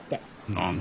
何だ？